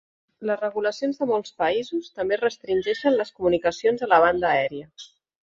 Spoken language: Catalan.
Les regulacions de molts països també restringeixen les comunicacions a la banda aèria.